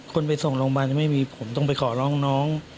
คนไปส่งโรงพยาบาลจะไม่มีผมต้องไปขอร้องน้อง